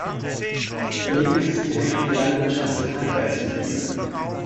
Daneben existieren einige Landwirtschafts- und Handwerksbetriebe.